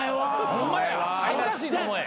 ホンマや恥ずかしいと思え。